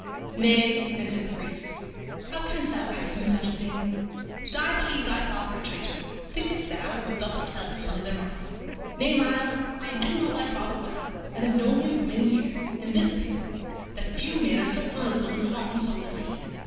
"Nay," answered the priest, "how canst thou ask me such a thing? Did I believe thy father a traitor, thinkest thou I would thus tell his son thereof? Nay, Myles, I do know thy father well, and have known him for many years, and this of him, that few men are so honorable in heart and soul as he.